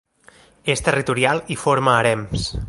És territorial i forma harems.